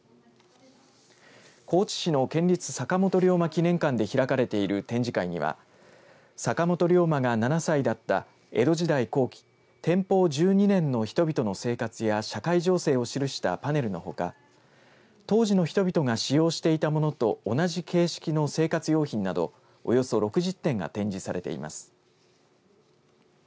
高知市の県立坂本龍馬記念館で開かれている展示会には坂本龍馬が７歳だった江戸時代後期天保１２年の人々の生活や社会情勢を記したパネルのほか当時の人々が使用していたものと同じ形式の生活用品など、およそ６０点が展示されています。